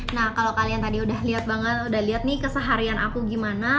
nah kalau kalian tadi udah lihat banget udah lihat nih keseharian aku gimana